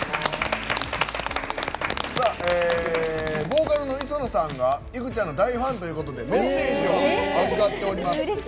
ボーカルの磯野さんがいくちゃんの大ファンということでメッセージを預かっております。